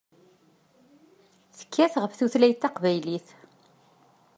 Tekkat ɣef tutlayt taqbaylit.